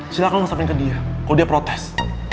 silahkan lo ngasakin ke dia kalo dia protes